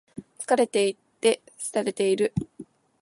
疲れていて、寂れている。